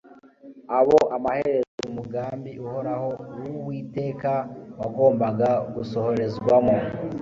abo amaherezo umugambi uhoraho wUwiteka wagombaga gusoherezwamo